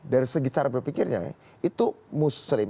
dari segi cara berpikirnya itu muslim